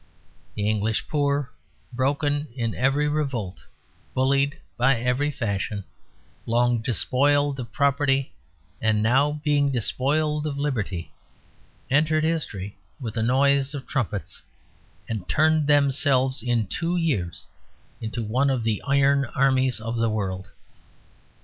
The English poor, broken in every revolt, bullied by every fashion, long despoiled of property, and now being despoiled of liberty, entered history with a noise of trumpets, and turned themselves in two years into one of the iron armies of the world.